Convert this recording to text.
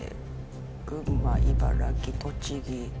群馬茨城栃木。